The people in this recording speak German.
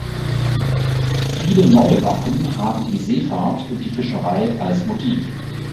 Viele neue Wappen haben die Seefahrt und die Fischerei als Motiv.